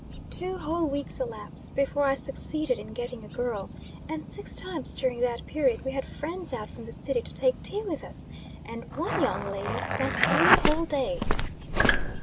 Two whole weeks elapsed before I succeeded in getting a girl; and six times during that period, we had friends out from the city to take tea with us; and one young lady spent three whole days!